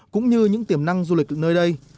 cũng như những tiềm năng du lịch nơi đây